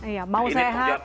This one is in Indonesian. iya mau sehat ini beban